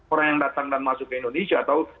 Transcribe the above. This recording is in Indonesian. orang yang datang dan masuk ke indonesia atau